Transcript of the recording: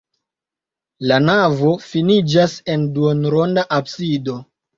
La navo finiĝas en duonronda absido.